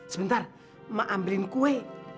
sebentar mak ambilin kue